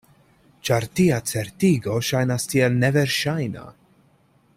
Ĉar tia certigo ŝajnas tiel neverŝajna.